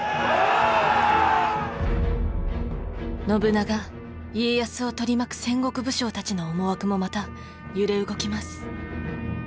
信長家康を取り巻く戦国武将たちの思惑もまた揺れ動きます。